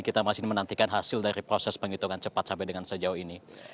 kita masih menantikan hasil dari proses penghitungan cepat sampai dengan sejauh ini